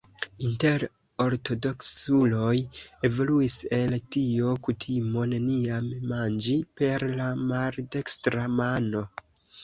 Inter ortodoksuloj evoluis el tio kutimo neniam manĝi per la maldekstra mano.